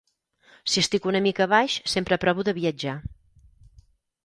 Si estic una mica baix sempre provo de viatjar.